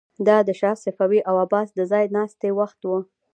دا د شاه صفوي او عباس د ځای ناستي وخت و.